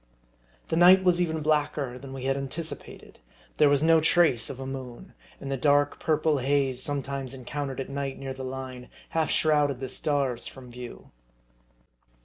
The night was even blacker than we had anticipated ; there was no trace of a moon; and the dark purple haze, sometimes encountered at night near the Line, half shrouded the stars from view.